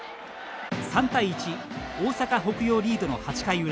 ３対１大阪・北陽リードの８回裏。